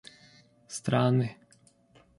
страны